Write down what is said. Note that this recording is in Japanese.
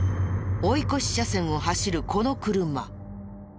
追い越し車線を走るこの車。